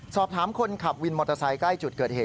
สอบถามคนขับวินมอเตอร์ไซค์ใกล้จุดเกิดเหตุ